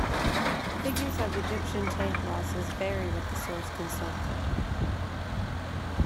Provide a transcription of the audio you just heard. Figures of Egyptian tank losses vary with the source consulted.